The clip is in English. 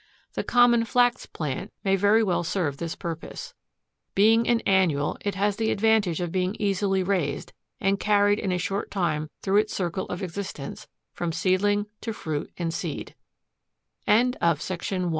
The common Flax plant may very well serve this purpose. Being an annual, it has the advantage of being easily raised and carried in a short time through its circle of existence, from seedling to fruit and see